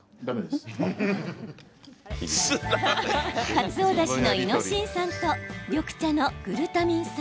カツオだしのイノシン酸と緑茶のグルタミン酸。